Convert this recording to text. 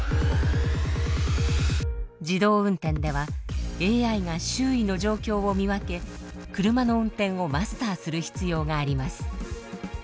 自動運転ではＡＩが周囲の状況を見分け車の運転をマスターする必要があります。